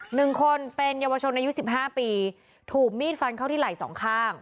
หนึ่งคนเป็นเยาวชนอายุสิบห้าปีถูกมีดฟันเข้าที่ไหล่สองข้าง